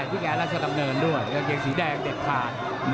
ที่แกแล้วจะกำเนินด้วยเกียงสีแดงเด็ดขาด